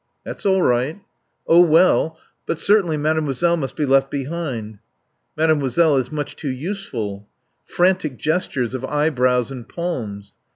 "That's all right." "Oh well But certainly Mademoiselle must be left behind." "Mademoiselle is much too useful." Frantic gestures of eyebrows and palms.